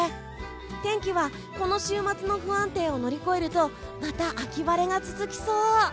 天気はこの週末の不安定を乗り越えるとまた、秋晴れが続きそう。